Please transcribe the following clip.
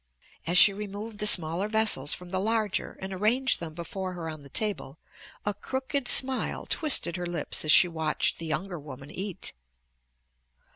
As she removed the smaller vessels from the larger and arranged them before her on the table a crooked smile twisted her lips as she watched the younger woman eat.